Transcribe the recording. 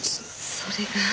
それが。